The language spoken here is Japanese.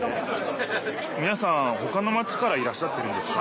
みなさんほかのマチからいらっしゃってるんですか？